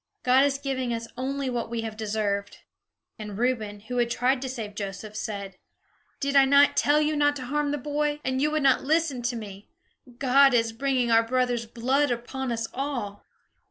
God is giving us only what we have deserved." And Reuben, who had tried to save Joseph, said: "Did I not tell you not to harm the boy? and you would not listen to me. God is bringing our brother's blood upon us all."